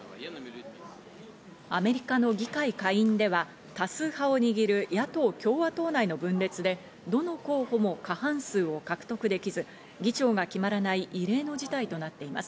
アメリカの議会下院では多数派を握る野党・共和党内の分裂でどの候補も過半数を獲得できず、議長が決まらない異例の事態となっています。